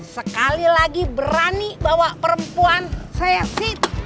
sekali lagi berani bawa perempuan saya si tak di motor